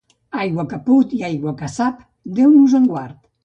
Aigua que put i aigua que sap, Déu nos en guard.